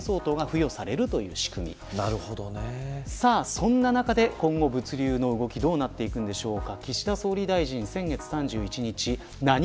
そんな中で今後、物流の動きどうなっていくんでしょうか。